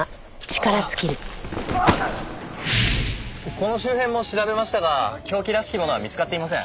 この周辺も調べましたが凶器らしき物は見つかっていません。